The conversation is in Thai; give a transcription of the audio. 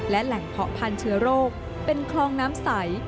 และแหล่งเพาะพันธุโรคเป็นคลองน้ำใส